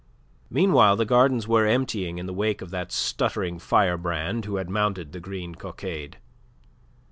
Meanwhile the gardens were emptying in the wake of that stuttering firebrand who had mounted the green cockade.